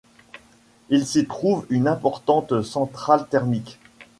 Il s'y trouve une importante centrale thermique.